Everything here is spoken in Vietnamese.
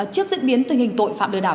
trước diễn biến tình hình tội phạm đừa đảo